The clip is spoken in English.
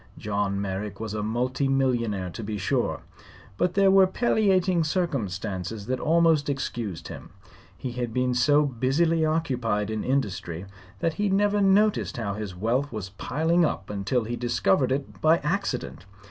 John Merrick was a multi millionaire, to be sure; but there were palliating circumstances that almost excused him. He had been so busily occupied in industry that he never noticed how his wealth was piling up until he discovered it by accident.